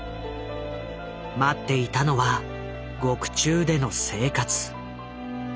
待っていたのは獄中での生活。